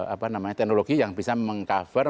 apa namanya teknologi yang bisa meng cover